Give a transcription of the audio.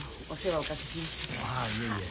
あいえいえ。